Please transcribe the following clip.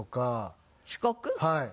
はい。